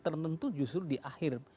tertentu justru di akhir